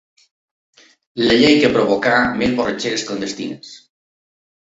La llei que provocà més borratxeres clandestines.